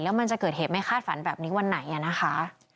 แล้วมันจะเกิดเหตุไม่คาดฝันแบบนี้วันไหนนะคะ